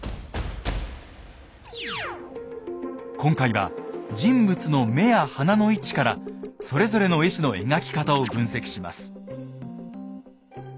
今回は人物の目や鼻の位置からそれぞれの絵師の描き方を分析します。